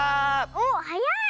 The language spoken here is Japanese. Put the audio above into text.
おっはやい！